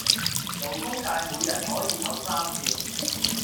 勞工界每人可以投三票